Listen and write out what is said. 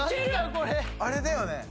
これあれだよね